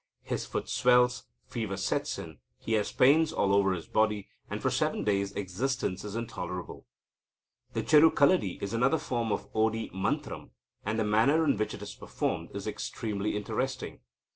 His foot swells, fever sets in, he has pains all over his body, and for seven days existence is intolerable. The cherukaladi is another form of odi mantram, and the manner in which it is performed is extremely interesting.